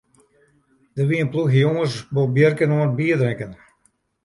Der wie in ploechje jonges bolbjirken oan it bierdrinken.